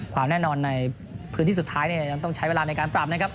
ความแน่นอนในพื้นที่สุดท้ายยังต้องใช้เวลาในการปรับนะครับ